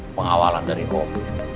pengawalan dari om